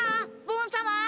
ボン様！